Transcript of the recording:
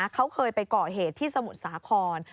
เขาเคยไปก่อเหตุที่สมุทรสาคร